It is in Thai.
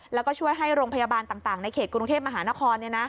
แล้วก็ช่วยให้โรงพยาบาลต่างในเขตกรุงเทพมหานคร